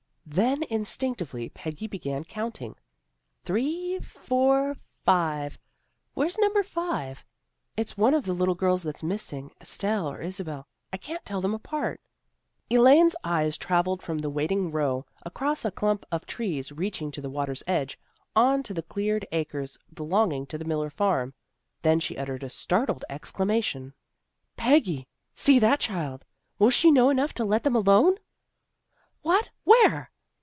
Then instinctively Peggy began counting, " Three, four, five. Where's number five? "" It's one of the little girls that's missing, Estelle or Isabel. I can't tell them apart." Elaine's eyes travelled from the waiting row, across a clump of trees reaching to the water's edge, on to the cleared acres belonging to the Miller farm. Then she uttered a startled exclamation. 326 THE GIRLS OF FRIENDLY TERRACE "Peggy! See that child! Will she know enough to let them alone? " "What? Where?"